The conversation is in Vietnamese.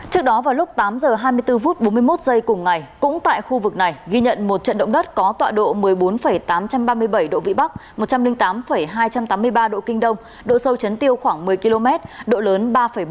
trước đó vào lúc tám h hai mươi bốn phút bốn mươi một giây cùng ngày cũng tại khu vực này ghi nhận một trận động đất có tọa độ một mươi bốn tám trăm ba mươi bảy độ vĩ bắc một trăm linh tám hai trăm tám mươi ba độ kinh đông độ sâu chấn tiêu khoảng một mươi km độ lớn ba bốn